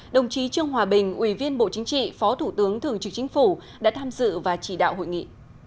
đồng chí trương hòa bình ủy viên bộ chính trị phó thủ tướng thường trực chính phủ đã tham dự và chỉ đạo hội nghị